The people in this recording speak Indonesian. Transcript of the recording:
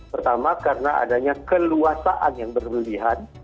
pertama karena adanya keluasaan yang berlebihan